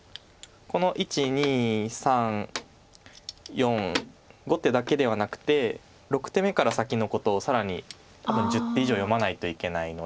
この１２３４５手だけではなくて６手目から先のことを更に１０手以上読まないといけないので。